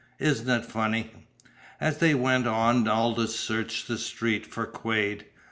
Isn't it funny?" As they went on Aldous searched the street for Quade.